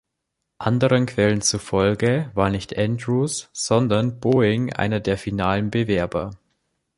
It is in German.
Anderen Quellen zufolge war nicht Andrews, sondern Boeing einer der finalen Bewerber.